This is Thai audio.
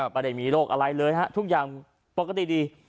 ไม่ได้มีโรคอะไรเลยฮะทุกอย่างปกติดี